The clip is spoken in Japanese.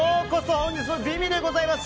本日も美味でございます！